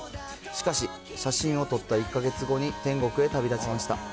しかし、写真を撮った１か月後に天国へ旅立ちました。